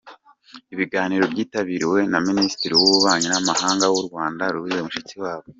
Ibiganiro byitabiriwe na Minisitiri w’Ububanyi n’Amahanga w’u Rwanda, Louise Mushikiwabo.